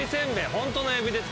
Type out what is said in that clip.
ホントのエビで作った。